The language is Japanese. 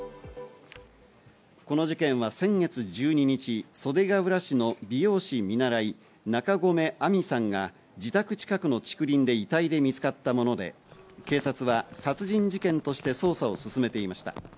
この事件は先月１２日、袖ケ浦市の美容師見習い・中込愛美さんが自宅近くの竹林で遺体で見つかったもので、警察は殺人事件として捜査を進めていました。